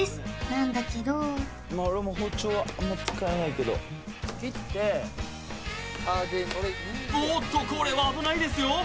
んだけどまあ俺も包丁はあんまり使えないけど切っておっとこれは危ないですよ